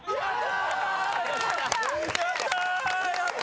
やった！